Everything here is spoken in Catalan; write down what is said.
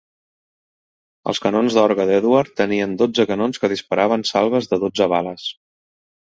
Els canons d'orgue d'Edward tenien dotze canons que disparaven salves de dotze bales.